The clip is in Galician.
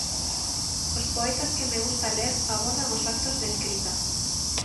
Os poetas que me gusta ler abordan os actos de escrita.